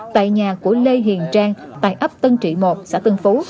tại nhà của lê hiền trang tại ấp tân trị một xã tân phú